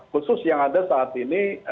khusus yang ada saat ini